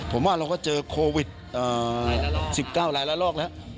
ผมว่าเราก็เจอโควิด๑๙หลายละลอกแล้ว